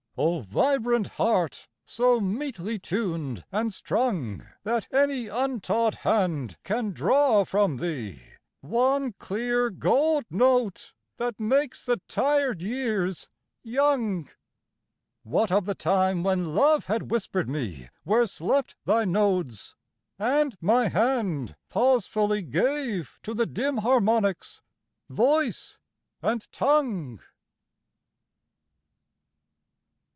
O vibrant heart! so metely tuned and strung That any untaught hand can draw from thee One clear gold note that makes the tired years young What of the time when Love had whispered me Where slept thy nodes, and my hand pausefully Gave to the dim harmonics voice and tongue?